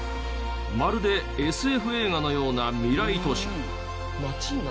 まるでＳＦ映画のような未来都市。